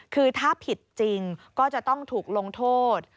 คือถ้าผิดจริงก็จะต้องถูกลงโทษ